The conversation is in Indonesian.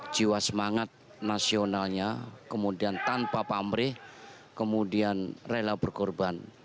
jiwa semangat nasionalnya kemudian tanpa pamrih kemudian rela berkorban